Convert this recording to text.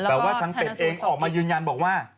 เพราะว่าทางเป็นเองออกมายืนยันว่า